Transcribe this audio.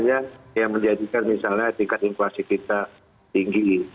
yang menjadikan misalnya tingkat inflasi kita tinggi